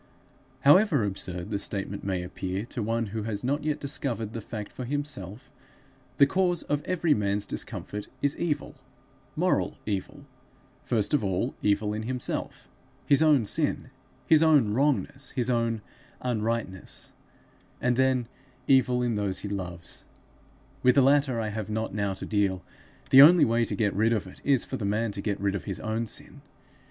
However absurd the statement may appear to one who has not yet discovered the fact for himself, the cause of every man's discomfort is evil, moral evil first of all, evil in himself, his own sin, his own wrongness, his own unrightness; and then, evil in those he loves: with this latter I have not now to deal; the only way to get rid of it, is for the man to get rid of his own sin.